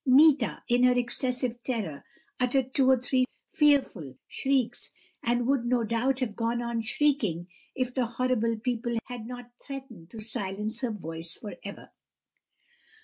"Meeta, in her excessive terror, uttered two or three fearful shrieks; and would, no doubt, have gone on shrieking, if the horrible people had not threatened to silence her voice for ever.